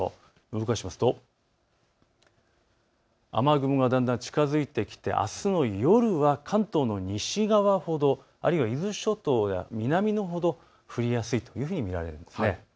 動かしますと雨雲がだんだん近づいてきてあすの夜は関東の西側ほど、あるいは伊豆諸島や南のほど降りやすいというふうに見られます。